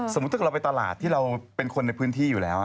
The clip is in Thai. ถ้าเกิดเราไปตลาดที่เราเป็นคนในพื้นที่อยู่แล้ว